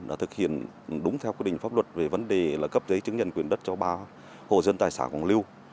đã thực hiện đúng theo quy định pháp luật về vấn đề cấp giấy chứng nhận quyền đất cho ba hộ dân tại xã quảng lưu